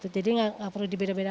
jadi nggak perlu dibedakan